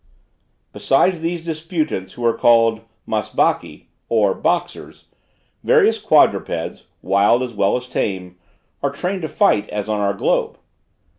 Beside these disputants, who are called Masbakki, or boxers, various quadrupeds, wild as well as tame, are trained to fight as on our globe.